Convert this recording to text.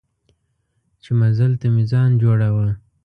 چې مزل ته مې ځان جوړاوه.